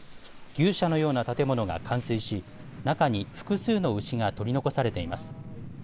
牛舎のような建物が冠水し中に複数の牛が取り残されています。